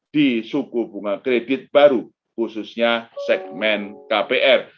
di suku bunga kredit baru khususnya segmen kpr